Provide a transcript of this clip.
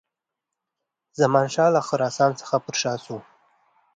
زمانشاه له خراسان څخه پر شا سو.